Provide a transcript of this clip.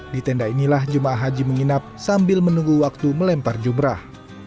di tenda inilah jemaah haji menginap sambil menunggu waktu melempar jumrah